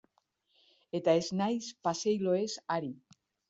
Eta ez naiz paseilloez ari.